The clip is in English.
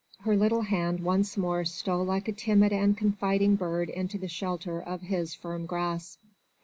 Her little hand once more stole like a timid and confiding bird into the shelter of his firm grasp.